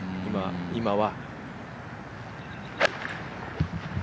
今は。